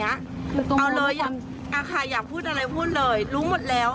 เอาเลยค่ะอยากพูดอะไรพูดเลยรู้หมดแล้ว